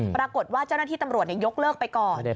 ปรากฏว่าเจ้าหน้าที่ตำรวจยกเลิกไปก่อน